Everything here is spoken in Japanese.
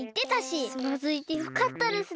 つまずいてよかったですね。